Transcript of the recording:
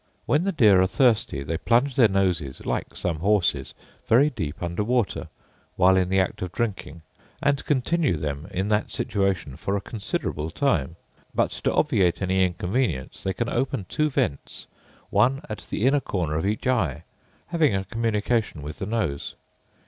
When the deer are thirsty they plunge their noses, like some horses, very deep under water, while in the act of drinking, and continue them in that situation for a considerable time, but, to obviate any inconvenience, they can open two vents, one at the inner corner of each eye, having a communication with the nose.